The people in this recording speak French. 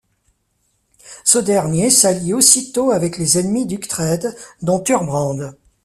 Ce dernier s’allie aussitôt avec les ennemis d’Uchtred, dont Thurbrand.